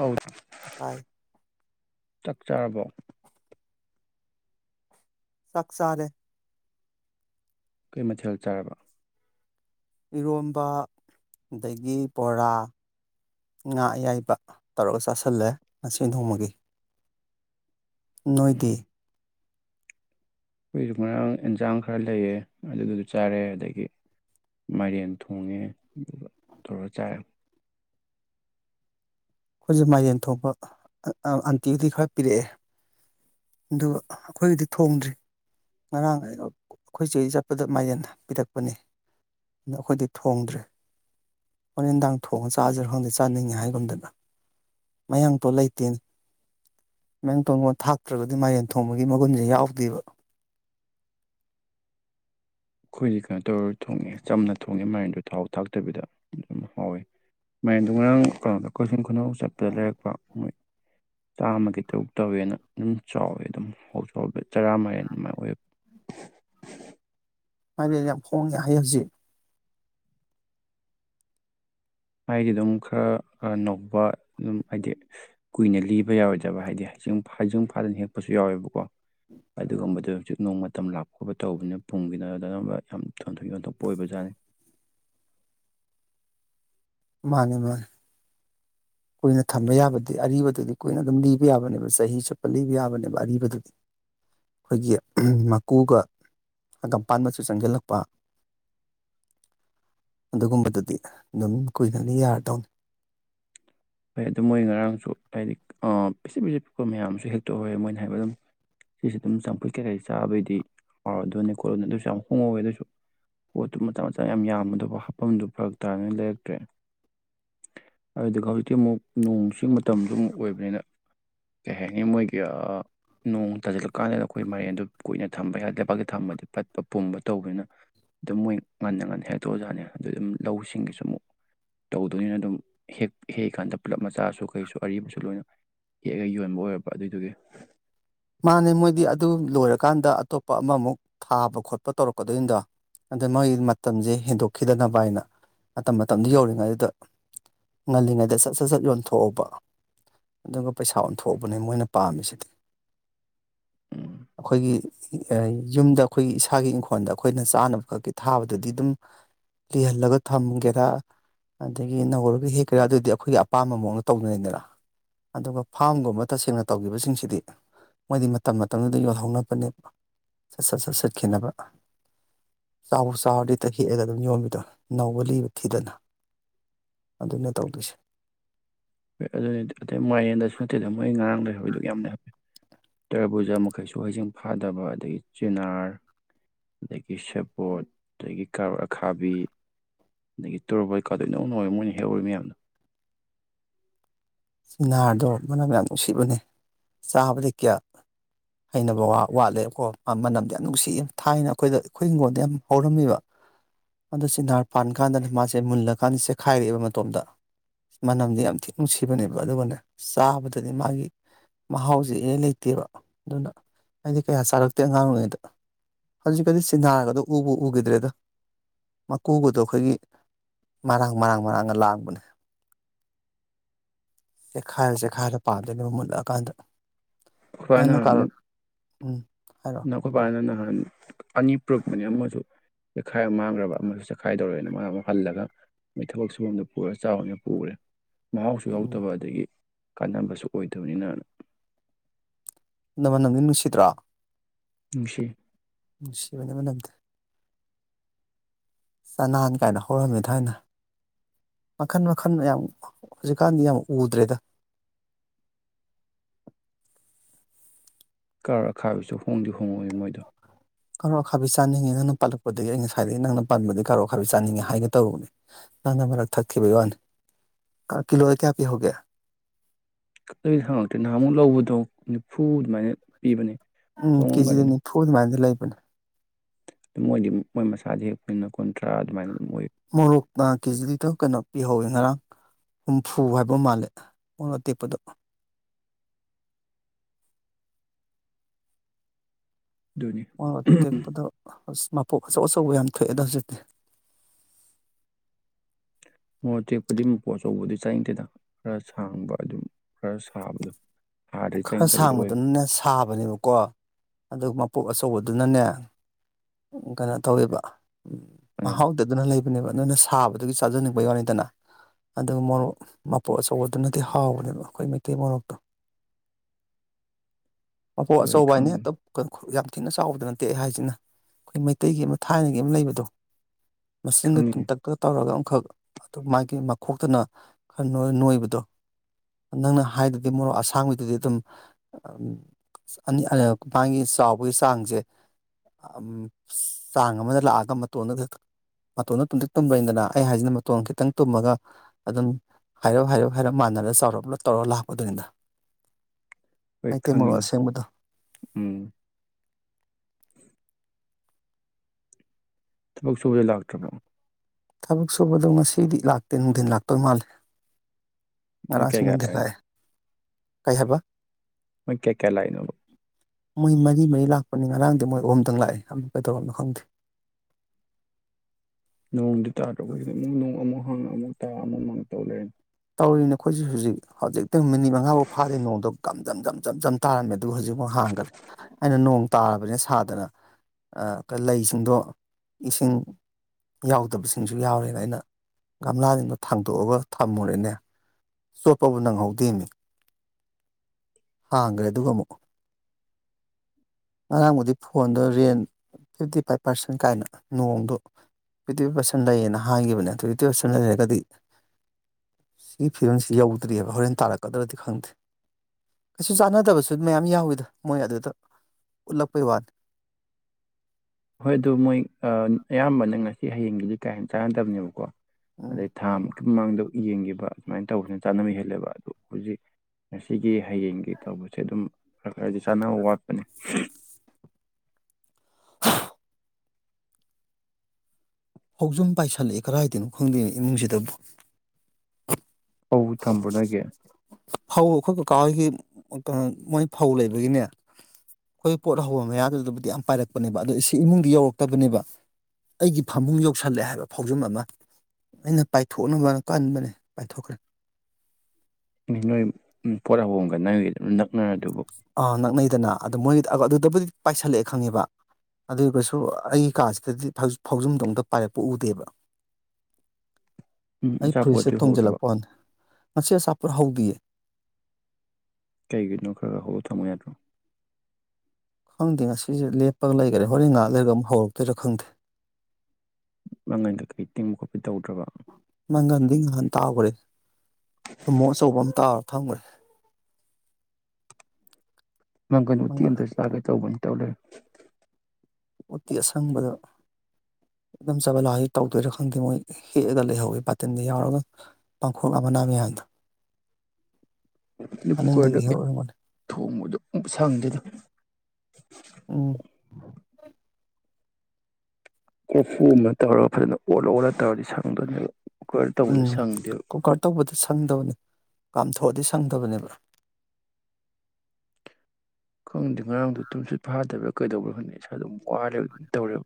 ꯑꯧ ꯇꯥꯏ ꯆꯥꯛ ꯆꯔꯕꯣ ꯁꯛ ꯁꯥꯔꯦ ꯀꯩ ꯃꯊꯦꯜ ꯆꯥꯔꯕ ꯏꯔꯣꯝꯕ ꯑꯗꯒꯤ ꯕꯣꯔꯥ ꯉꯥ ꯑꯌꯥꯏꯕ ꯇꯧꯔꯒ ꯆꯥꯁꯤꯜꯂꯦ ꯉꯁꯤ ꯅꯣꯡꯃꯒꯤ ꯅꯣꯏꯗꯤ ꯎꯝ ꯑꯩꯈꯣꯏꯁꯨ ꯉꯥꯡ ꯑꯦꯟꯁꯥꯡ ꯈꯔ ꯂꯩꯑ ꯑꯗꯨꯗꯨꯁꯨ ꯆꯥꯔꯦ ꯑꯗꯨꯗꯒꯤ ꯃꯥꯏꯔꯦꯟ ꯊꯣꯡꯉꯦ ꯑꯗꯨꯒ ꯇꯧꯔꯒ ꯆꯥꯏꯔꯦ ꯑꯩꯈꯣꯏꯁꯦ ꯃꯥꯏꯔꯦꯟ ꯊꯣꯡꯕ ꯑꯟꯇꯤ ꯍꯣꯏꯗꯩ ꯈꯔ ꯄꯤꯔꯛꯑꯦ ꯑꯗꯨꯒ ꯑꯩꯈꯣꯏꯒꯤꯗꯤ ꯊꯣꯡꯗ꯭ꯔꯤ ꯉꯔꯥꯡ ꯑꯩꯈꯣꯏ ꯆꯦ ꯍꯣꯏ ꯆꯠꯄꯗ ꯃꯥꯏꯌꯦꯟ ꯄꯤꯔꯛꯄꯅꯤ ꯑꯩꯈꯣꯏꯗꯤ ꯊꯣꯡꯗ꯭ꯔꯦ ꯍꯣꯔꯦꯟꯗꯥꯡ ꯊꯣꯡꯉꯒ ꯆꯥꯁꯤꯔ ꯈꯪꯗꯦ ꯆꯥꯅꯤꯡꯉꯦ ꯍꯥꯏꯒꯨꯝꯗꯅ ꯃꯌꯥꯡꯇꯣ ꯂꯩꯇꯦ ꯃꯌꯥꯡꯇꯣꯟꯉꯣꯟ ꯊꯥꯛꯇ꯭ꯔꯒꯗꯤ ꯃꯔꯟ ꯊꯣꯡꯕꯒꯤ ꯃꯒꯨꯟꯁꯦ ꯌꯥꯎꯗ꯭ꯦꯕ ꯑꯩꯈꯣꯏꯗꯤ ꯀꯩꯅꯣ ꯇꯧꯔ ꯊꯣꯡꯉꯦ ꯆꯝꯅ ꯊꯣꯡꯉꯦ ꯃꯥꯏꯔꯦꯟꯗꯣ ꯊꯥꯎ ꯊꯥꯛꯇꯕꯤꯗ ꯑꯗꯨꯝ ꯍꯥꯎꯋꯦ ꯃꯥꯏꯔꯦꯟꯗꯣ ꯉꯔꯥꯡ ꯀꯩꯅꯣꯗ ꯀꯣꯏ ꯈꯨꯅꯧ ꯆꯠꯄꯗ ꯂꯩꯔꯛꯄ ꯃꯣꯏ ꯆꯥꯝꯃꯒꯤ ꯇꯔꯨꯛ ꯇꯧꯋꯦꯅ ꯑꯗꯨꯝ ꯆꯥꯎꯋꯦ ꯑꯗꯨꯝ ꯍꯧꯥꯎꯕ ꯆꯔꯥꯃꯔꯤꯦꯜ ꯑꯗꯨꯃꯥꯏ ꯑꯣꯏꯕ ꯍꯥꯏꯗꯤ ꯌꯥꯝ ꯍꯣꯡꯉꯦ ꯍꯥꯏ ꯍꯧꯖꯤꯛ ꯍꯥꯏꯗꯤ ꯑꯗꯨꯝ ꯈꯔ ꯅꯧꯕ ꯑꯗꯨꯝ ꯍꯥꯏꯗꯤ ꯀꯨꯏꯅ ꯂꯤꯕ ꯌꯥꯔꯣꯏꯗꯕ ꯍꯥꯏꯗꯤ ꯍꯤꯡ ꯍꯩꯖꯤꯡ ꯐꯥꯗꯅ ꯍꯦꯛꯄꯁꯨ ꯌꯥꯎꯋꯦꯕꯀꯣ ꯑꯗꯨꯒꯨꯝꯕꯗꯣ ꯍꯧꯖꯤꯛ ꯅꯣꯡ ꯃꯇꯝ ꯂꯥꯞꯄ ꯈꯣꯠꯄ ꯇꯧꯕꯅꯤꯅ ꯄꯨꯡꯒꯤꯅꯝꯕ ꯌꯥꯝ ꯌꯣꯟꯊꯣꯛ ꯌꯣꯟꯊꯣꯛꯄ ꯑꯣꯏꯕꯖꯥꯠꯅꯤ ꯃꯥꯅꯦ ꯃꯥꯅꯦ ꯀꯨꯏꯅ ꯊꯝꯕ ꯌꯥꯕꯗꯤ ꯑꯔꯤꯕꯗꯨꯗꯤ ꯀꯨꯏꯅ ꯑꯗꯨꯝ ꯂꯤꯕ ꯌꯥꯕꯅꯦꯕ ꯆꯍꯤ ꯆꯠꯄ ꯂꯤꯕ ꯌꯥꯕꯅꯦꯕ ꯑꯔꯤꯕꯗꯨꯗꯤ ꯑꯩꯈꯣꯏꯒꯤ ꯃꯀꯨꯒꯒꯝꯄ ꯃꯆꯨ ꯆꯪꯁꯤꯜꯂꯛꯄ ꯑꯗꯨꯒꯨꯝꯕꯗꯨꯗꯤ ꯑꯗꯨꯝ ꯀꯨꯏꯅ ꯂꯤ ꯌꯥꯔꯗꯧꯅꯤ ꯍꯩ ꯑꯗꯨ ꯃꯣꯏ ꯉꯔꯥꯡꯁꯨ ꯍꯥꯏꯗꯤ ꯄꯤꯁꯤꯛ ꯄꯤꯆꯤꯠ ꯄꯤꯛꯄ ꯃꯌꯥꯝꯁꯨ ꯍꯦꯛꯇ ꯑꯣꯏꯦ ꯃꯣꯏꯅ ꯍꯥꯏꯕ ꯑꯗꯨꯝ ꯁꯤꯁꯦ ꯑꯗꯨꯝ ꯆꯝꯐꯨꯠ ꯀꯩꯀꯩ ꯆꯥꯕꯩꯗꯤ ꯍꯥꯎꯔꯗꯣꯏꯅꯤ ꯈꯣꯠꯂꯅꯤ ꯑꯗꯨꯁꯨ ꯌꯥꯝ ꯍꯣꯡꯍꯧꯋꯦ ꯑꯗꯨꯁꯨ ꯄꯣꯠꯇꯨ ꯃꯆꯥ ꯃꯆꯥ ꯌꯥꯝ ꯌꯥꯝꯃꯗꯕ ꯍꯥꯐꯝꯗꯨ ꯐꯔꯛ ꯇꯥꯔꯒꯅ ꯂꯩꯔꯛꯇ꯭ꯔꯦ ꯑꯗꯨꯗꯨ ꯍꯧꯖꯤꯛ ꯍꯧꯖꯤꯛꯇꯤ ꯑꯃꯨꯛ ꯅꯣꯡꯁꯤ ꯃꯇꯝꯁꯨ ꯑꯃꯨꯛ ꯑꯣꯏꯕꯅꯤꯅ ꯀꯩ ꯍꯥꯏꯅꯤ ꯃꯣꯏꯒꯤ ꯅꯣꯡ ꯇꯥꯁꯤꯜꯂꯀꯥꯟꯗ ꯑꯩꯈꯣꯏ ꯃꯔꯦꯟꯗꯨ ꯀꯨꯏꯅ ꯊꯝꯕ ꯌꯥ ꯂꯩꯕꯥꯛꯇ ꯊꯝꯕꯗꯤ ꯄꯠꯄ ꯄꯨꯝꯕ ꯇꯧꯕꯅꯤꯅ ꯑꯗꯨꯝ ꯃꯣꯏ ꯉꯟꯅ ꯉꯟꯅ ꯍꯥꯏꯗꯣ ꯑꯣꯖꯥꯠꯅꯤ ꯑꯗꯨ ꯑꯗꯨꯝ ꯂꯧꯁꯤꯡꯒꯤꯁꯨ ꯑꯃꯨꯛ ꯇꯧꯗꯣꯏꯅꯤꯅ ꯑꯗꯨꯝ ꯍꯦꯛ ꯍꯦꯛꯀꯥꯟꯗ ꯄꯨꯜꯂꯞ ꯃꯆꯥꯁꯨ ꯀꯩꯁꯨ ꯑꯔꯤꯕꯁꯨ ꯂꯣꯏꯅ ꯍꯦꯛꯑꯒ ꯌꯣꯟꯕ ꯑꯣꯏꯔꯕ ꯑꯗꯨꯏꯗꯨꯒꯤ ꯃꯥꯅꯦ ꯃꯣꯏꯗꯤ ꯑꯗꯨ ꯂꯣꯏꯔꯀꯥꯟꯗ ꯑꯇꯣꯞꯄ ꯑꯃꯃꯨꯛ ꯊꯥꯕ ꯈꯣꯠꯄ ꯇꯧꯔꯛꯀꯗꯣꯏꯅꯤꯗꯣ ꯑꯗ ꯃꯣꯏ ꯃꯇꯝꯁꯦ ꯍꯦꯟꯗꯣꯛꯈꯤꯗꯅꯕ ꯍꯥꯏꯅ ꯃꯇꯝ ꯃꯇꯝꯗꯨ ꯌꯧꯔꯤꯉꯩꯗꯨꯗ ꯉꯜꯂꯤꯉꯩꯗ ꯁꯠ ꯁꯠ ꯁꯠ ꯌꯣꯟꯊꯣꯛꯑꯕ ꯑꯗꯨꯒ ꯄꯩꯁꯥ ꯑꯣꯟꯊꯣꯛꯑꯕꯅꯦ ꯃꯣꯏꯅ ꯄꯥꯝꯃꯤꯁꯤꯗꯤ ꯎꯝ ꯑꯩꯈꯣꯏꯒꯤ ꯌꯨꯝꯗ ꯑꯩꯈꯣꯏꯒꯤ ꯏꯁꯥꯒꯤ ꯏꯪꯈꯣꯜꯗ ꯑꯩꯈꯣꯏꯅ ꯆꯥꯅꯕ ꯈꯛꯀꯤ ꯊꯥꯕꯗꯗꯤ ꯑꯗꯨꯝ ꯂꯤꯍꯜꯂꯒ ꯊꯝꯒꯦꯔꯥ ꯑꯗꯒꯤ ꯅꯧꯔꯒ ꯍꯦꯛꯀꯦꯔꯥ ꯑꯗꯨꯗꯤ ꯑꯩꯈꯣꯏꯒꯤ ꯑꯄꯥꯝꯕ ꯃꯑꯣꯡꯅ ꯇꯧꯅꯩꯗꯅ ꯑꯗꯨꯒ ꯐꯥꯝꯒꯨꯝꯕ ꯇꯁꯦꯡꯅ ꯇꯧꯈꯤꯕꯁꯤꯡꯁꯤꯗꯤ ꯃꯣꯏꯗꯤ ꯃꯇꯝ ꯃꯇꯝꯗꯨꯗ ꯌꯣꯜꯍꯧꯅꯕꯅꯦꯕ ꯁꯠ ꯁꯠ ꯁꯠ ꯁꯠꯈꯤꯅꯕ ꯆꯥꯎ ꯆꯥꯎꯔꯗꯤ ꯇꯈꯤꯑꯒ ꯑꯗꯨꯝ ꯌꯣꯟꯕꯤꯗꯣ ꯅꯧꯕ ꯂꯤꯕ ꯊꯤꯗꯅ ꯑꯗꯨꯅ ꯇꯧꯗꯣꯏꯁꯦ ꯍꯣꯏ ꯑꯗꯨꯅꯤꯗꯤ ꯑꯇꯩ ꯃꯌꯦꯟꯗꯁꯨ ꯅꯠꯇꯦꯗ ꯃꯣꯏ ꯉꯥꯔꯥꯡ ꯂꯩꯔ ꯑꯩꯣꯏꯗꯨꯛ ꯌꯥꯝꯅꯦ ꯇꯔꯕꯨꯖꯥ ꯃꯈꯩꯁꯨ ꯍꯩꯁꯤꯡ ꯐꯥꯗꯕ ꯑꯗꯒꯤ ꯆꯦꯅꯥꯔ ꯑꯗꯒꯤ ꯁꯦꯄꯣꯠ ꯑꯗꯒꯤ ꯀꯔꯣꯠ ꯈꯥꯕꯤ ꯑꯗꯒꯤ ꯇꯣꯔꯕꯠꯀꯥꯗꯣꯏꯅꯧ ꯅꯋꯦ ꯃꯣꯏꯅ ꯍꯩꯛꯍꯧꯔꯤ ꯃꯌꯥꯝꯗꯣ ꯆꯤꯍꯔꯗꯣ ꯃꯅꯝ ꯌꯥꯝ ꯅꯨꯡꯁꯤꯕꯅꯦ ꯆꯥꯕꯗ ꯀꯌꯥ ꯍꯩꯅꯕ ꯋꯥꯠꯂꯦꯕꯀꯣ ꯃꯥ ꯃꯅꯝꯗꯤ ꯌꯥꯝ ꯅꯨꯡꯁꯤ ꯌꯥꯝ ꯊꯥꯏꯅ ꯑꯩꯈꯣꯏꯗ ꯑꯩꯈꯣꯏ ꯍꯤꯡꯒꯣꯜꯗ ꯌꯥꯝ ꯍꯧꯔꯝꯃꯤꯕ ꯑꯗ ꯆꯤꯍꯥꯔ ꯄꯥꯟꯕꯥꯟ ꯀꯥꯟꯗꯅ ꯃꯥꯁꯦ ꯃꯨꯜꯂꯀꯥꯟꯗ ꯆꯦꯛꯈꯥꯏꯔꯛꯑꯦꯕ ꯃꯇꯣꯝꯗ ꯃꯅꯝꯗꯤ ꯌꯥꯝ ꯊꯤ ꯅꯨꯡꯁꯤ ꯊꯈꯤꯕꯅꯦꯕ ꯑꯗꯨꯒꯅꯦ ꯆꯥꯕꯗꯗꯤ ꯃꯥꯒꯤ ꯃꯍꯥꯎꯁꯦ ꯏꯔꯩ ꯂꯩꯇꯦꯕ ꯑꯗꯨꯅ ꯑꯩꯗꯤ ꯀꯌꯥ ꯆꯥꯔꯛꯇꯦ ꯑꯉꯥꯡ ꯑꯣꯏꯔꯤꯉꯩꯗ ꯍꯧꯖꯤꯛꯄꯗꯤ ꯆꯤꯟꯟꯅꯔꯒꯗꯣ ꯎꯕ ꯎꯈꯤꯗ꯭ꯔꯦꯗ ꯃꯀꯨꯕꯗꯣ ꯑꯩꯈꯣꯏꯒꯤ ꯃꯔꯥꯡ ꯃꯔꯥꯡ ꯃꯔꯥꯡꯅ ꯂꯥꯡꯕꯅꯦ ꯆꯦꯈꯥꯏꯔ ꯆꯦꯈꯥꯏꯔ ꯄꯥꯝꯗꯣꯏꯅꯦ ꯃ ꯃꯨꯜꯂꯛꯑꯀꯥꯟꯗ ꯍꯅ ꯅꯪꯅ ꯃ ꯀꯥꯔꯣꯠ ꯎꯝ ꯍꯥꯏꯔꯣ ꯅꯈꯣ ꯄꯥꯟꯕꯅ ꯅ ꯑꯅꯤꯄ꯭ꯔꯨꯞꯄꯅꯦ ꯑꯃꯁꯨ ꯆꯈꯥꯏ ꯑꯃ ꯃꯥꯡꯈ꯭ꯔꯕ ꯑꯃꯁꯨ ꯆꯈꯥꯏꯗꯧꯔꯦꯅ ꯃꯥ ꯑꯃ ꯍꯜꯂꯒ ꯃ ꯊꯕꯛ ꯁꯨꯕꯗ ꯄꯨꯔꯒ ꯆꯥꯎꯅ ꯄꯨꯔꯦ ꯃꯍꯥꯎꯁꯨ ꯎꯝ ꯌꯥꯎꯗꯕ ꯑꯗꯒꯤ ꯀꯥꯟꯅꯕꯁꯨ ꯑꯣꯏꯗꯕꯅꯤꯅ ꯅꯃ ꯅꯪꯒꯤ ꯅꯨꯡꯁꯤꯗ꯭ꯔꯥ ꯁꯤ ꯁꯤꯕꯅꯦ ꯑꯃꯅꯗ ꯆꯅꯥꯟ ꯀꯥꯏꯅ ꯍꯧꯔꯝꯃꯦ ꯊꯃꯅ ꯃꯈꯟ ꯃꯈꯜ ꯌꯥꯝ ꯍꯧꯖꯤꯛꯀꯥꯟꯗꯤ ꯌꯥꯝ ꯎꯗ꯭ꯔꯦꯗ ꯀꯧꯔ ꯈꯥꯏꯕꯁꯨ ꯍꯣꯡꯗꯤ ꯍꯣꯡꯉꯛꯏꯦ ꯃꯣꯏꯗꯣ ꯀꯔ ꯑꯈꯥꯕꯤ ꯆꯥꯅꯤꯡꯉꯤ ꯅꯪꯅ ꯄꯥꯜꯂꯛꯄꯗꯒꯤ ꯑꯩ ꯉꯁꯥꯏꯗꯒꯤ ꯅꯪꯅ ꯄꯥꯟꯕꯗꯒꯤ ꯀꯔꯛ ꯑꯈꯥꯕꯤ ꯆꯥꯅꯤꯡꯉꯦ ꯍꯥꯏꯒ ꯇꯧꯔꯨꯕꯅꯦ ꯅꯪꯅ ꯃꯔꯛ ꯊꯛꯈꯤꯕꯒꯤ ꯋꯥꯅꯤ ꯀꯤꯂꯣꯗ ꯀꯌꯥ ꯄꯤꯍꯧꯒꯦ ꯍꯪꯉꯛꯇ꯭ꯔꯦ ꯅꯍꯥꯟ ꯑꯃꯨꯛ ꯂꯧꯕꯗꯣ ꯅꯤꯐꯨ ꯑꯗꯨꯃꯥꯏꯅ ꯄꯤꯕꯅꯦ ꯎꯝ ꯍꯣꯡꯉꯝꯒꯅꯤ ꯀꯖꯤꯗꯅꯤ ꯑꯗꯨꯝ ꯐꯨꯜ ꯃꯥꯏ ꯂꯩ ꯄꯨꯅ ꯃꯣꯏꯗꯤ ꯃꯣꯏ ꯃꯁꯥꯗꯤ ꯍꯦꯛ ꯄꯨꯨꯟꯅ ꯀꯨꯟꯊ꯭ꯔꯥ ꯑꯗꯨꯃꯥꯏꯅ ꯑꯗꯨꯝ ꯑꯣꯏ ꯃꯣꯔꯣꯛ ꯀꯦꯖꯤꯗꯗ ꯀꯩꯅꯣ ꯄꯤꯍꯧꯋꯦ ꯉꯔꯥꯡ ꯍꯨꯝꯐꯨ ꯍꯥꯏꯕ ꯃꯥꯜꯂꯦ ꯑꯣ ꯑꯇꯦꯛꯄꯗ ꯑꯗꯨꯅꯤ ꯑꯣ ꯑꯦꯛꯄꯗ ꯃꯄꯣꯛ ꯑꯆꯧ ꯑꯆꯧꯕ ꯌꯥꯝ ꯊꯣꯛꯑꯦꯗ ꯍꯧꯖꯤꯛꯇꯤ ꯃꯣꯔ ꯑ ꯇꯦꯛꯄꯗꯤ ꯃꯄꯣ ꯑꯆꯧꯕꯗꯨ ꯆꯪꯗꯦꯗ ꯈꯔ ꯁꯥꯡꯕ ꯑꯗꯨꯝ ꯈꯔ ꯁꯥꯕꯗꯣ ꯍꯥꯔꯗꯤ ꯈꯔ ꯆꯪꯗꯕꯤꯗꯣ ꯑꯣꯏ ꯁꯥꯡꯕꯗꯨꯅꯅꯦ ꯁꯥꯕꯅꯦꯕꯀꯣ ꯑꯗꯨ ꯄꯣꯛ ꯑꯆꯧꯕꯗꯨꯅꯅꯦ ꯀꯩꯅꯣ ꯇꯧꯋꯦꯕ ꯎ ꯃꯅꯝ ꯍꯥꯎꯗ ꯑꯗꯨꯅ ꯂꯩ ꯅꯦꯕ ꯅꯣꯏꯅ ꯁꯥꯕꯗꯨꯒꯤ ꯆꯥꯖꯅꯤꯡꯕꯩ ꯋꯥꯅꯤꯗꯅ ꯑꯗꯨꯒ ꯃꯣꯔꯣꯛ ꯃꯄꯣꯠ ꯑꯆꯧꯕꯗꯨꯅꯗꯤ ꯍꯥꯎꯕꯅꯦꯕ ꯑꯩꯈꯣꯏ ꯃꯩꯇꯩ ꯃꯣꯔꯣꯛꯇꯣ ꯃꯄꯣ ꯑꯗꯨ ꯑꯩ ꯑꯆꯧꯕ ꯍꯥꯏꯅꯦꯦ ꯈꯪꯗꯦ ꯌꯥꯝ ꯊꯤꯅ ꯆꯥꯎꯕꯗ ꯅꯠꯇ ꯇꯦꯛ ꯍꯥꯏꯁꯤꯅ ꯑꯩꯈꯣꯏ ꯃꯩꯇꯩꯒꯤ ꯑꯃ ꯊꯥꯏꯅꯒꯤ ꯑꯃ ꯂꯩꯕꯗꯣ ꯃꯁꯤꯡꯒ ꯈꯪꯉꯤꯅꯦ ꯇꯤꯟꯇꯛꯀ ꯇꯧꯔꯒ ꯑꯃ ꯛ ꯑꯗꯨ ꯃꯥꯒꯤ ꯃꯈꯣꯛꯇꯅ ꯈ ꯅꯣꯏꯕꯗꯣ ꯅꯪꯅ ꯍꯥꯏꯗꯗꯤ ꯃꯣꯔꯣꯛ ꯑꯁ ꯊꯥꯡꯕꯗꯨꯗꯤ ꯑꯗꯨꯝ ꯑꯅꯤ ꯑꯃꯥꯡꯒꯤ ꯆꯥꯎꯕꯒꯤ ꯆꯥꯡꯁꯦ ꯆꯥꯡ ꯑꯃꯗ ꯂꯥꯛꯑꯒ ꯃꯇꯣꯟꯗ ꯈꯤ ꯃꯇꯣꯟꯗ ꯇꯨꯝꯇꯛ ꯇꯨꯝꯗꯣꯏꯅꯤꯗꯅ ꯑꯩ ꯍꯥꯏꯁꯤꯅ ꯃꯇꯣꯟ ꯈꯤꯇꯪ ꯇꯨꯝꯃꯒ ꯑꯗꯨꯝ ꯍꯥꯏꯔꯞ ꯍꯥꯏꯔꯞ ꯍꯥꯏꯔꯞ ꯃꯥꯟꯅꯔ ꯆꯥꯎꯔꯞꯂ ꯇꯧꯔꯒ ꯂꯥꯛꯄꯗꯨꯅꯤꯗ ꯍꯣꯏ ꯃꯩꯇꯩ ꯃꯔꯣꯛ ꯈꯪꯉꯤꯅꯦ ꯑꯁꯦꯡꯕꯗ ꯎꯝ ꯊꯃꯛ ꯁꯗ ꯂꯥꯛꯇ꯭ꯔꯕ ꯊꯕꯛ ꯁꯨꯕꯗꯣ ꯉꯁꯤꯗꯤ ꯂꯥꯛꯇꯦ ꯅꯨꯡꯊꯜ ꯂꯥꯛꯇꯣꯏ ꯃꯥꯜꯂꯦ ꯃꯣꯏ ꯉꯔꯥꯡ ꯀꯌꯥ ꯁꯅꯨꯝ ꯀꯌꯥ ꯂꯥꯛꯏꯅꯣ ꯊꯀꯥꯏ ꯀꯥꯏ ꯍꯥꯏꯕ ꯑꯣꯀꯦ ꯑꯣ ꯀꯦ ꯂꯥꯏꯅꯕ ꯃꯣꯏ ꯃꯔꯤ ꯃꯔꯤ ꯂꯥꯛꯄꯅꯤ ꯉꯔꯥꯡꯗꯤ ꯃꯣꯏ ꯑꯍꯨꯝꯗꯪ ꯂꯥꯛꯑꯦ ꯑꯃ ꯀꯩꯗꯧꯔꯝꯅꯣ ꯈꯪꯗꯦ ꯅꯣꯡꯗꯤ ꯇꯥꯗ꯭ꯔꯒꯤ ꯑꯃꯨꯛꯣꯡ ꯑꯃꯨꯛ ꯍꯪꯉꯛ ꯑꯃꯨꯛ ꯇꯥ ꯑꯃꯨꯛ ꯍꯉꯛ ꯇꯧ ꯂꯩꯔꯅꯤ ꯇꯧꯔꯤꯅꯦ ꯑꯩꯈꯣꯏꯁꯨ ꯍꯧꯖꯤꯛ ꯍꯧꯖꯤꯛꯇꯪ ꯃꯤꯅꯤꯠ ꯃꯉꯥꯐꯥꯎ ꯐꯥꯗꯦ ꯅꯣꯡꯗꯣ ꯒꯝꯖꯝ ꯒꯝ ꯖꯝ ꯖꯝ ꯇꯥꯔꯝꯃꯦ ꯑꯗꯨ ꯍꯧꯖꯤꯛꯐꯥꯎ ꯍꯥꯡꯈ꯭ꯔꯦ ꯑꯩꯅ ꯅꯣꯡ ꯇꯥꯔꯕꯅꯤ ꯁꯥꯗꯅ ꯂꯩꯁꯤꯡꯗꯣ ꯏꯁꯤꯡ ꯌꯥꯎꯗꯕꯁꯤꯡꯁꯨ ꯌꯥꯎꯔꯦꯅ ꯑꯩꯅ ꯒꯝꯂꯥꯁꯤꯡꯗꯣ ꯊꯥꯡꯗꯣꯛꯑꯒ ꯃꯨꯔꯦꯅꯦ ꯆꯣꯠꯄꯕꯨ ꯅꯪꯍꯧꯗꯦꯅꯤ ꯍꯥꯡꯈ꯭ꯔꯦ ꯑꯗꯨꯒ ꯑꯃꯨꯛ ꯉꯔꯥꯡꯕꯨꯗꯤ ꯐꯣꯟꯗ ꯔꯦꯟ ꯐꯤꯞꯇꯤ ꯐꯥꯏꯚ ꯄꯥꯔꯁꯦꯟ ꯀꯥꯏꯅ ꯅꯣꯡꯗꯣ ꯐꯤꯞꯇꯤ ꯐꯥꯏꯚ ꯄꯥꯔꯁꯦꯟ ꯂꯩꯌꯦꯅ ꯍꯥꯡꯈꯤꯕꯅꯦ ꯐꯤꯞꯇꯤꯚ ꯄꯥꯔꯁꯦꯟ ꯂꯩꯔꯒꯗꯤ ꯁꯤꯒꯤ ꯐꯤꯕꯝꯁꯤ ꯌꯧꯗ꯭ꯔꯤꯑꯕ ꯍꯣꯔꯦꯟ ꯇꯥꯔꯛꯀꯗ꯭ꯔꯗꯤ ꯈꯪꯗꯦ ꯀꯩꯁꯨ ꯆꯥꯟꯅꯗꯕꯁꯨ ꯃꯌꯥꯝ ꯌꯥꯎꯋꯤꯗ ꯃꯣꯏ ꯑꯗꯨꯗ ꯎꯠꯂꯛꯄꯩ ꯋꯥꯅꯤ ꯍꯣꯏ ꯑꯗꯨ ꯃꯣꯏ ꯑꯌꯥꯝꯕꯅꯪ ꯉꯁꯤ ꯍꯌꯦꯡꯒꯤꯗꯤ ꯀꯥ ꯍꯟꯅ ꯆꯥꯟꯅꯗꯕꯅꯦꯕꯀꯣ ꯎꯝ ꯑꯗꯩ ꯊꯥꯝ ꯃꯃꯥꯡꯗ ꯌꯦꯡꯈꯤꯕ ꯑꯗꯨꯃꯥꯏꯅ ꯇꯧꯕꯁꯤꯅ ꯆꯥꯟꯅꯅꯕ ꯍꯦꯜꯂꯦꯕ ꯑꯗꯨꯣ ꯍꯧꯖꯤꯛ ꯉꯁꯤꯒꯤ ꯍꯌꯦꯡꯒꯤ ꯇꯧꯕꯁꯦ ꯑꯗꯨꯝ ꯈꯔꯗꯤ ꯁꯥꯟꯅꯕ ꯋꯥꯠꯄꯅꯦ ꯍꯧꯖꯨꯝ ꯄꯥꯏꯁꯤꯜꯂꯛꯑꯦ ꯀꯗꯥꯏꯗꯅꯣ ꯈꯪꯗꯣꯏꯅꯦ ꯏꯃꯨꯡꯁꯤꯗꯕꯨ ꯐꯧ ꯊꯝꯕ꯭ꯔꯣ ꯅꯣꯏꯒꯤ ꯐꯧ ꯑꯩꯈꯣꯏ ꯀꯀꯥ ꯑꯩꯒꯤ ꯃꯣꯏ ꯐꯧ ꯂꯩꯕꯒꯤꯅꯦ ꯑꯩꯈꯣꯏ ꯄꯣꯠ ꯍꯧꯕ ꯃꯌꯥꯗꯨꯗꯕꯨꯗꯤ ꯌꯥꯝ ꯄꯥꯏꯔꯛꯄꯅꯦꯕ ꯑꯗꯣ ꯁꯤ ꯏꯃꯨꯡꯗꯤ ꯌꯧꯔꯛꯇꯕꯅꯦꯕ ꯑꯩꯒꯤ ꯐꯃꯨꯡ ꯌꯧꯁꯜꯂꯦ ꯍꯥꯏꯕ ꯐꯧꯖꯝ ꯑꯃ ꯑꯩꯅ ꯄꯥꯏꯊꯣꯛꯅꯕꯅ ꯀꯟꯕꯅꯦ ꯄꯥꯏꯊꯣꯛꯈ꯭ꯔꯦ ꯅꯣꯏ ꯄꯣꯠ ꯑꯍꯣꯡ ꯑꯃꯒ ꯅꯪꯣꯏꯒꯤ ꯑꯗꯨꯝ ꯅꯛꯅꯔ ꯑꯗꯨꯕꯨ ꯑꯥ ꯅꯛꯅꯩꯗꯅ ꯑꯣ ꯃꯣꯏ ꯑꯗꯨꯗꯕꯨꯗꯤ ꯄꯥꯏꯁꯜꯂꯛꯑꯦ ꯈꯪꯉꯦꯕ ꯑꯗꯨ ꯑꯣꯏꯔꯒꯁꯨ ꯑꯩꯒꯤ ꯀꯥꯁꯤꯗꯗꯤ ꯐꯥꯎꯖꯨꯝꯗꯣ ꯑꯝꯇ ꯄꯥꯏꯔꯛꯄ ꯎꯗꯦꯕ ꯎꯝ ꯑꯩ ꯑꯆꯥꯄꯣꯠꯇꯤ ꯐꯨꯔꯤꯁꯇ ꯍꯧꯗ꯭ꯔꯕ ꯊꯣꯡꯖꯤꯜꯂꯛꯄꯅꯦ ꯃꯁꯤ ꯑꯁꯥꯄꯍꯥꯎꯗꯤꯌꯦ ꯀꯩꯒꯤꯅꯣ ꯈꯔ ꯍꯧꯕ ꯊꯝꯃꯨ ꯌꯥꯗ꯭ꯔꯣ ꯈꯪꯗꯦ ꯉꯁꯤꯁꯨꯦ ꯂꯦꯞꯄꯒ ꯂꯩꯈꯔꯦ ꯍꯣꯔꯦꯟ ꯉꯍꯥꯛ ꯂꯩꯔꯒ ꯑꯃꯨꯛ ꯍꯧꯔꯛꯇꯣꯏꯔꯥ ꯈꯪꯗꯦ ꯃꯪꯒꯟ ꯀꯩꯀꯩ ꯇꯤꯡꯕ ꯈꯣꯠꯄ ꯇꯧꯗ꯭ꯔꯕ ꯅꯪꯒꯥꯟꯗꯤ ꯉꯍꯥꯟ ꯇꯥꯈ꯭ꯔꯦ ꯊꯨꯝꯃꯣ ꯑꯆꯧꯕ ꯑꯃ ꯇꯥꯕ ꯐꯪꯈ꯭ꯔꯦ ꯃꯪꯒꯟ ꯎꯇꯤ ꯑꯃꯝꯇꯁꯨ ꯆꯥꯥꯛꯒꯦ ꯇꯧꯕꯅꯤ ꯇꯧꯂ ꯎꯇꯤ ꯑꯁꯪꯕꯗ ꯏꯝ ꯆꯕ ꯂꯥꯁꯤ ꯇꯧꯗꯣꯏꯔꯥ ꯈꯪꯗꯦ ꯃꯣꯏ ꯍꯦꯛꯑꯒ ꯂꯩꯍꯧꯋꯤ ꯕꯇꯟꯗ ꯌꯥꯎꯔꯒ ꯄꯥꯡꯈꯣꯛꯂꯕꯅꯥ ꯃꯌꯥꯝꯗ ꯀꯨꯀꯔꯗ ꯀ ꯊꯣꯡꯃꯗꯣ ꯁꯪꯗꯗ ꯎꯝ ꯀꯣꯀꯨ ꯑꯃꯅ ꯇꯧꯔꯒ ꯐꯖꯅ ꯑꯣꯠꯂ ꯑꯣꯠꯂ ꯇꯧꯔꯗꯤ ꯁꯪꯗꯣꯏꯅꯦꯕ ꯀꯨꯀꯔ ꯇꯧꯕꯗꯨ ꯎꯝ ꯁꯪꯗꯦꯕ ꯀꯨꯀꯔ ꯇꯧꯕꯗ ꯁꯪꯗꯕꯅꯦ ꯀꯥꯝꯊꯣꯛꯑꯗꯤ ꯁꯪꯗꯕꯅꯦꯕ ꯈꯪꯗꯦ ꯉꯔꯥꯡꯗꯣ ꯇꯨꯝꯁꯨ ꯐꯥꯗꯕ꯭ꯔꯥ ꯀꯩꯗꯧꯕ꯭ꯔꯥ ꯈꯅꯤ ꯏꯁꯥ ꯑꯗꯨꯝ ꯋꯥꯔ ꯇꯧꯔꯨ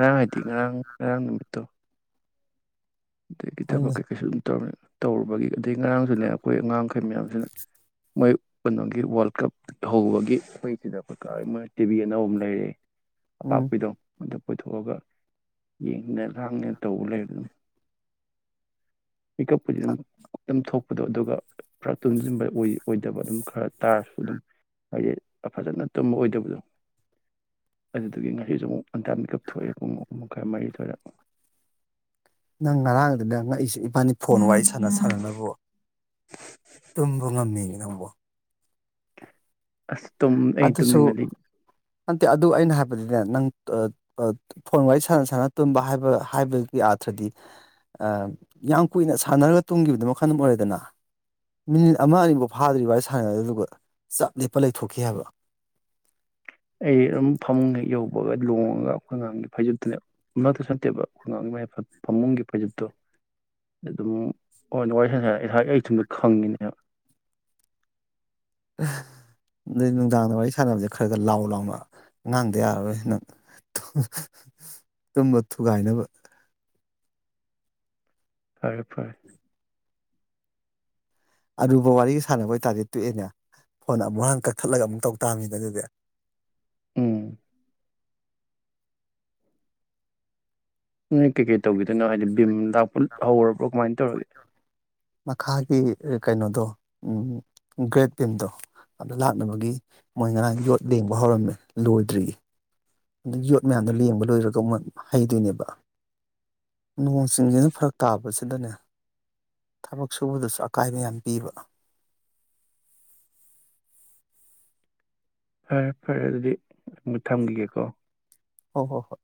ꯔꯥꯡ ꯍꯥꯏꯥꯏꯗꯤ ꯔ ꯔꯥꯡ ꯅꯨꯃꯤꯠꯇ ꯀꯈꯤꯗ ꯄꯛ ꯍꯣꯏꯅꯦ ꯀꯦ ꯀꯩꯁꯨ ꯇꯧꯔ ꯇꯧꯔꯨꯕꯒꯤ ꯑꯗꯩ ꯉꯔꯥꯡꯁꯨꯅꯦ ꯑꯩꯈꯣꯏ ꯑꯉꯥꯡꯈꯩ ꯃꯌꯥꯝꯁꯤꯅ ꯃꯣꯏ ꯀꯩꯅꯣꯒꯤ ꯋꯥꯔꯜ ꯀꯞ ꯍꯧꯕꯒꯤ ꯑꯩꯈꯣꯏꯁꯤꯗ ꯑꯩꯈꯣꯏ ꯀꯥ ꯃꯣꯏ ꯇꯤꯚꯤ ꯑꯅꯧꯕ ꯑꯃ ꯂꯩꯔꯛꯦ ꯑꯄꯥ ꯎꯝ ꯑꯈꯣꯏꯗꯣ ꯀꯣꯏꯊꯣꯛꯑꯒ ꯌꯦꯡꯗꯅ ꯍꯥꯡꯗꯅ ꯇꯧꯕ ꯂꯩꯔ ꯑꯗꯨꯝ ꯄꯤꯞ ꯑꯗꯨ ꯊꯣꯛ ꯗꯣ ꯑꯗꯨꯒ ꯄꯨꯔꯥ ꯇꯨꯁꯤꯟꯕ ꯑꯣꯏꯗꯕ ꯑꯗꯨꯝ ꯈꯔ ꯇꯥꯔꯁꯨ ꯑꯗꯨꯝ ꯍꯥꯏꯗꯤ ꯐꯖꯅ ꯇꯨꯝꯕ ꯑꯣꯏꯗꯕꯗꯣ ꯑꯗꯨꯗꯒꯤ ꯉꯁꯤꯁꯨ ꯑꯃꯨꯛ ꯑꯟꯇꯥꯃꯤꯛꯀꯞ ꯊꯣꯛꯑꯦ ꯄꯨꯡ ꯈꯔ ꯃꯔꯤꯊꯣꯏꯅ ꯅꯪ ꯉꯔꯥꯡ ꯑꯗꯨꯗ ꯅꯪ ꯉꯛ ꯑꯩꯁꯨ ꯏꯕꯥꯅꯤ ꯐꯣꯟ ꯋꯥꯔꯤ ꯁꯥꯟꯅ ꯁꯥꯟꯅꯅꯕ ꯅꯝꯕꯣ ꯑꯁ ꯇꯨꯨꯝ ꯑꯩ ꯇꯨꯝꯅꯤꯡꯉꯗꯤ ꯅꯟꯇꯦ ꯑꯗꯨ ꯑꯩꯅ ꯍꯥꯏꯕꯗꯨꯅꯦ ꯅꯪ ꯐꯣꯟ ꯋꯥꯔꯤ ꯁꯥꯟꯅ ꯁꯥꯟꯅ ꯇꯨꯝꯕ ꯍꯥꯏꯕ ꯍꯥꯏꯕꯒꯤ ꯑꯥꯊ꯭ꯔꯗꯤ ꯌꯥꯝ ꯀꯨꯏꯅ ꯁꯥꯟꯅꯔꯒ ꯇꯨꯝꯈꯤꯕꯗꯨ ꯃꯈꯜ ꯑꯃ ꯑꯣꯏꯔꯦꯗꯅ ꯃꯤꯅꯤꯠ ꯑꯃ ꯑꯅꯤꯐꯥꯎ ꯐꯥꯗ꯭ꯔꯤ ꯋꯥꯔꯤ ꯁꯥꯟꯅꯗꯨ ꯆꯞ ꯂꯦꯞꯄ ꯂꯩꯊꯣꯛꯈꯤ ꯍꯥꯏꯕ ꯑꯩ ꯑꯗꯨꯝ ꯐꯃꯨꯡ ꯌꯧꯕꯒ ꯂꯣꯡꯉꯒ ꯑꯩꯈꯣꯏ ꯑꯉꯥꯡꯒꯤ ꯐꯩꯖꯨꯞꯠꯇꯨꯅꯦ ꯑꯃꯛꯇ ꯅꯠꯇꯦꯕ ꯑꯩꯈꯣꯏ ꯑꯉꯥꯡꯒꯤ ꯐꯃꯨꯡꯒꯤ ꯐꯩꯖꯨꯞꯠꯇꯣ ꯑꯗꯨꯝ ꯑꯣꯏꯅ ꯋꯥꯔꯤ ꯁ ꯉꯥ ꯑꯩ ꯁꯨꯝꯗ ꯈꯪꯉꯤꯅꯦꯕ ꯑꯗꯩ ꯅꯨꯡꯗꯥꯡꯗ ꯋꯥꯔꯤ ꯁꯥꯟꯅꯕꯁꯦ ꯈꯔ ꯈ ꯂꯥꯎ ꯂꯥꯎꯅ ꯉꯥꯡꯗ ꯌꯥꯔꯔꯣꯏ ꯅꯪ ꯇꯨꯝꯕ ꯊꯨꯒꯥꯏꯅꯕ ꯐꯔꯦ ꯐꯔꯦ ꯑꯔꯨꯕ ꯋꯥꯔꯤꯒ ꯁꯥꯟꯅꯕ ꯑꯣꯏꯇꯥꯔꯗꯤ ꯇꯣꯛꯑꯦꯅꯦ ꯐꯣꯟ ꯑꯃꯨꯛ ꯍꯥꯟ ꯀꯛꯊꯠꯂꯒ ꯑꯃꯨꯛ ꯇꯧ ꯇꯥꯝꯃꯤꯅ ꯑꯗꯨꯗꯤ ꯎꯝ ꯀ ꯀꯦ ꯇꯧꯤꯗꯣꯏꯅꯣ ꯍꯥꯏꯗꯤ ꯚꯝ ꯂꯥꯛꯄ ꯍꯧꯔꯕ꯭ꯔꯣ ꯀꯃꯥꯏꯅ ꯇꯧꯔꯒꯦ ꯃꯈꯥꯒꯤ ꯀꯩꯅꯣꯗꯣ ꯒ꯭ꯔꯦꯠ ꯄꯤꯝꯗꯣ ꯑꯗ ꯂꯥꯛꯅꯕꯒꯤ ꯃꯣꯏ ꯉꯔꯥꯡ ꯌꯣꯠ ꯂꯦꯡꯕ ꯍꯧꯔꯝꯃꯦ ꯂꯣꯏꯗ꯭ꯔꯤꯌꯦ ꯑꯗ ꯌꯣꯠ ꯃꯌꯥꯝꯗꯣ ꯂꯦꯡꯕ ꯂꯣꯏꯔꯒ ꯑꯃꯨ ꯍꯩꯗꯣꯏꯅꯦꯕ ꯅꯣꯡ ꯆꯤꯡꯁꯤꯅ ꯐꯔꯛ ꯇꯥꯕꯁꯤꯗꯅꯦ ꯊꯕꯛ ꯁꯨꯕꯗꯁꯨ ꯑꯀꯥꯏꯕ ꯌꯥꯝ ꯄꯤꯕ ꯐꯔꯦ ꯐꯔꯦ ꯑꯗꯨꯗꯤ ꯑꯗꯨ ꯊꯝꯈꯤꯒꯦꯀꯣ ꯍ ꯍꯣꯏ ꯍꯣꯏ